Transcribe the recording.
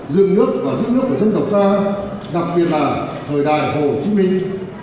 dựng nước và giữ nước của dân tộc ta đặc biệt là thời đại hồ chí minh